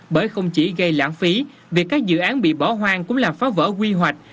bởi không chỉ gây lãng phí việc các dự án bị bỏ hoang cũng làm phá vỡ quy hoạch